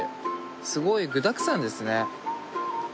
すごい具だくさんですね。